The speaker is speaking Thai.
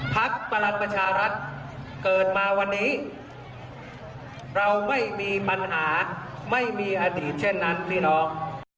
พลังประชารัฐเกิดมาวันนี้เราไม่มีปัญหาไม่มีอดีตเช่นนั้นพี่น้อง